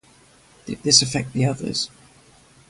Did this affect the others?